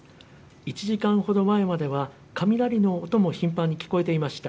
１時間ほど前までは雷の音も頻繁に聞こえていました。